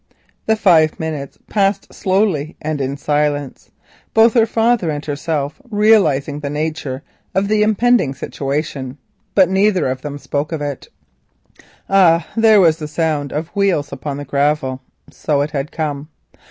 The five minutes passed slowly and in silence. Both her father and herself realised the nature of the impending situation, but neither of them spoke of it. Ah! there was the sound of wheels upon the gravel. So it had come.